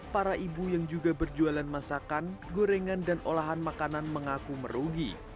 para ibu yang juga berjualan masakan gorengan dan olahan makanan mengaku merugi